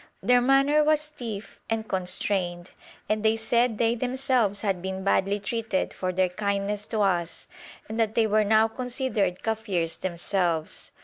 Their manner was stiff and constrained, and they said they themselves had been badly treated for their kindness to us and that they were now considered Kafirs themselves.